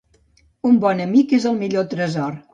Un bon amic és el millor tresor.